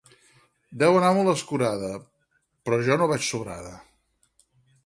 Deu anar molt escurada, però jo no vaig sobrada